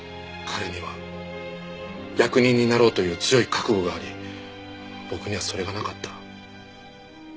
彼には役人になろうという強い覚悟があり僕にはそれがなかった。